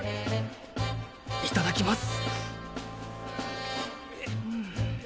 いただきます